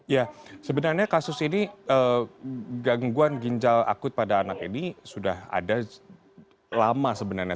ya sebenarnya kasus ini gangguan ginjal akut pada anak ini sudah ada lama sebenarnya